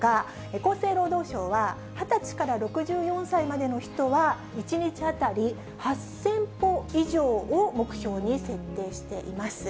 厚生労働省は、２０歳から６４歳までの人は、１日当たり８０００歩以上を目標に設定しています。